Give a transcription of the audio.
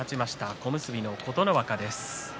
小結の琴ノ若です。